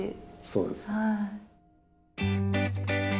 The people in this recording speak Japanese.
そうです。